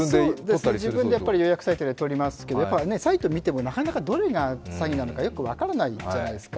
そうですね、自分で予約サイトで取りますが、サイトを見てもなかなかどれが詐欺なのかよく分からないじゃないですか。